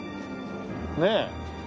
ねえ。